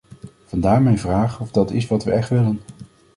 Vandaar mijn vraag of dat is wat we echt willen.